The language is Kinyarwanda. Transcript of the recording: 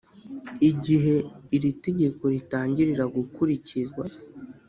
igihe iri tegeko ritangirira gukurikizwa